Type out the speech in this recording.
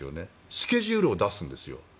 スケジュールは出すんですよ